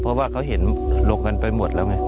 เพราะว่าเขาเห็นหลบกันไปหมดแล้วไง